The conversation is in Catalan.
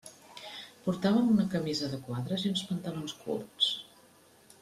Portàvem una camisa de quadres i uns pantalons curts.